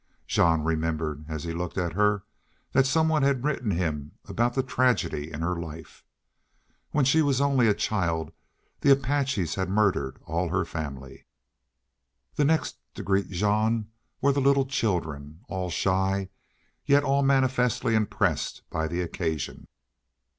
Jean remembered, as he looked at her, that some one had written him about the tragedy in her life. When she was only a child the Apaches had murdered all her family. Then next to greet Jean were the little children, all shy, yet all manifestly impressed by the occasion.